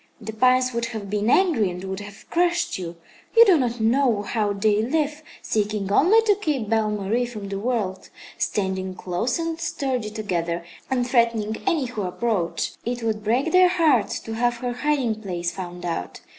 The pines would have been angry and would have crushed you. You do not know how they live, seeking only to keep Belle Marie from the world, standing close and sturdy together and threatening any who approach. It would break their hearts to have her hiding place found out.